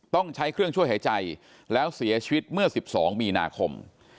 ต้องใช้เครื่องช่วยหายใจแล้วเสียชีวิตเมื่อ๑๒มีนาคม